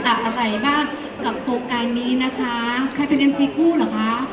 ทำแต่อะไรบ้างกับโฆษณ์การนะคะใครเป็นร่องและ